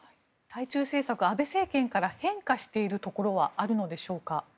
対中政策、安倍政権から変化しているところはあるのでしょうか。